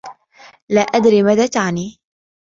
لا أدري ماذا تعني.